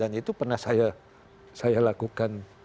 dan itu pernah saya saya lakukan